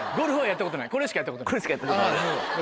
これしかやったことない。